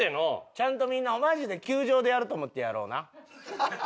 ちゃんとみんなマジで球場でやると思ってやろうな。